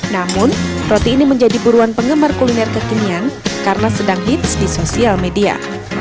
namun roti ini menjadi buruan penggemar kuliner kekinian karena sedang hits di sosial media